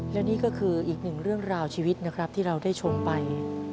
และนี่ก็คืออีกหนึ่งเรื่องราวชีวิตนะครับที่เราได้ชมไป